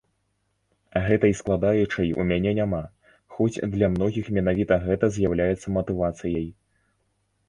Гэтай складаючай у мяне няма, хоць для многіх менавіта гэта з'яўляецца матывацыяй.